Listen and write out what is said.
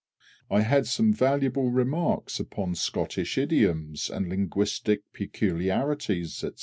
I had some valuable remarks upon Scottish idioms and linguistic peculiarities, &c.